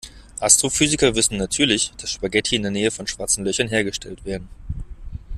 Astrophysiker wissen natürlich, dass Spaghetti in der Nähe von Schwarzen Löchern hergestellt werden.